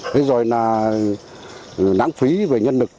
thế rồi là nắng phí về nhân lực